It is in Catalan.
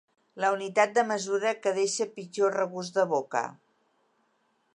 La unitat de mesura que deixa pitjor regust de boca.